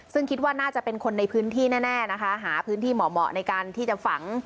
ซึ่งคิดว่าน่าจะเป็นคนในพื้นที่แน่นะคะหาพื้นที่เหมาะในการที่จะฝัง